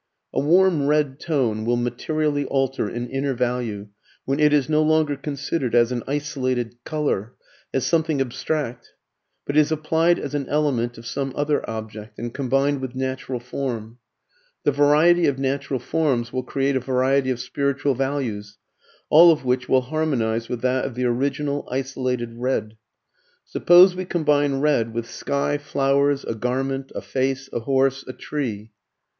A warm red tone will materially alter in inner value when it is no longer considered as an isolated colour, as something abstract, but is applied as an element of some other object, and combined with natural form. The variety of natural forms will create a variety of spiritual values, all of which will harmonize with that of the original isolated red. Suppose we combine red with sky, flowers, a garment, a face, a horse, a tree.